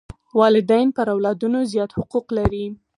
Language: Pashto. والدین پر اولادونو زیات حقوق لري.